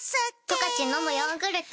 「十勝のむヨーグルト」